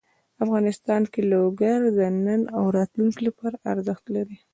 افغانستان کې لوگر د نن او راتلونکي لپاره ارزښت لري.